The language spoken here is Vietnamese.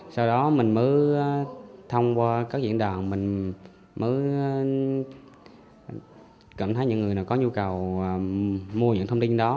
sau đó mình mới thông qua các diễn đàn mình mới cảm thấy những người nào có nhu cầu mua những thông tin đó